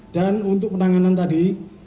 dan untuk penanganan tadi